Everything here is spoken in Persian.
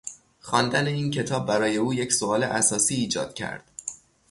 خواندن این کتاب برای او یک سوال اساسی ایجاد کرد